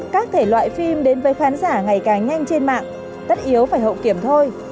các thể loại phim đến với khán giả ngày càng nhanh trên mạng tất yếu phải hậu kiểm thôi